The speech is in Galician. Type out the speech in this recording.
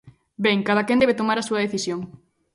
Ben, cadaquén debe tomar a súa decisión.